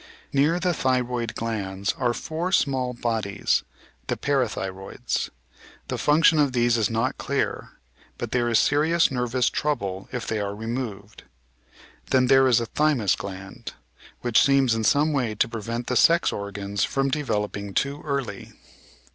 Near the thyroid glands are four small bodies — the "para thyroids." The function of these is not clear, but there is serious nervous trouble if they are removed. Then there is a "thjrmus gland," which seems in some way to prevent the sex organs from developing too early.